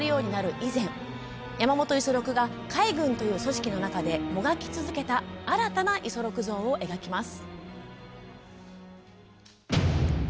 以前山本五十六が海軍という組織の中でもがき続けた新たな五十六像を描きます。